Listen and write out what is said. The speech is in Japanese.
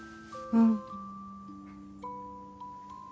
うん。